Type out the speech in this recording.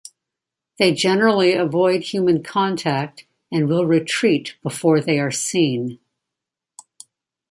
They generally avoid human contact and will retreat before they are seen.